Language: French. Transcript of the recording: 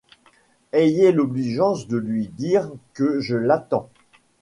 Ayez l'obligeance de lui dire que je l'attends.